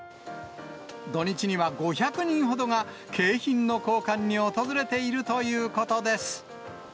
土日には５００人ほどが景品の交換に訪れているということです。